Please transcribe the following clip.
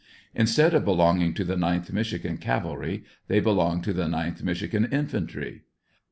Instead of belonging to the 9tli Michigan Cavalry, they belong to the 9th Michigan Infantry.